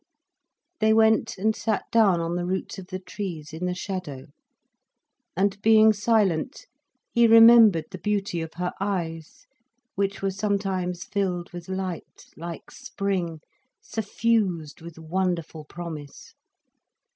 They went and sat down on the roots of the trees, in the shadow. And being silent, he remembered the beauty of her eyes, which were sometimes filled with light, like spring, suffused with wonderful promise.